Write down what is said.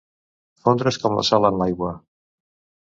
Fondre's com la sal en l'aigua.